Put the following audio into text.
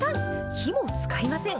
火も使いません。